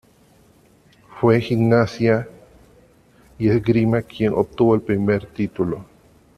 Fue Gimnasia y Esgrima quien obtuvo el primer título.